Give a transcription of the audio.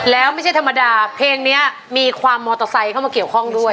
แล้วไม่ใช่ธรรมดาเพลงนี้มีความมอเตอร์ไซค์เข้ามาเกี่ยวข้องด้วย